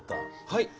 はい。